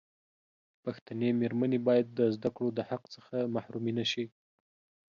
پښتنې مېرمنې باید د زدکړو دحق څخه محرومي نشي.